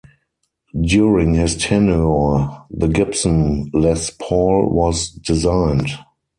During his tenure, the Gibson Les Paul was designed.